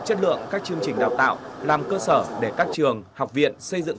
chất lượng các chương trình đào tạo làm cơ sở để các trường học viện xây dựng